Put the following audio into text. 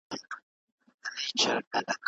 درک د ناروغیو د کمښت لامل ګرځي.